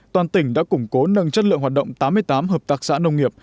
toàn tỉnh đã củng cố nâng chất lượng hoạt động tám mươi tám hợp tác xã nông nghiệp